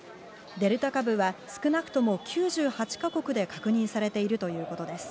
デルタ株は少なくとも９８か国で確認されているということです。